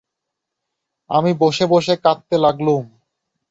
আমি বসে বসে কাঁদতে লাগলুম।